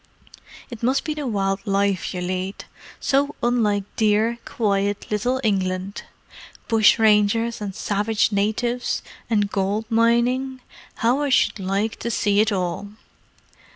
It must be the wild life you lead. So unlike dear, quiet little England. Bushrangers, and savage natives, and gold mining. How I should like to see it all!"